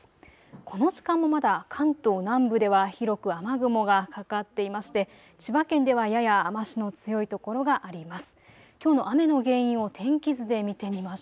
この時間もまだ関東南部では広く雨雲がかかっていまして千葉県ではやや雨足の強いところがあります。